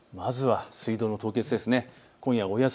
まずは水道の凍結です。